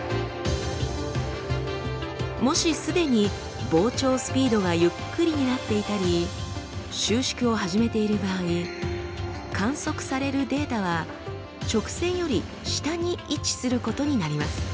もしすでに膨張スピードがゆっくりになっていたり収縮を始めている場合観測されるデータは直線より下に位置することになります。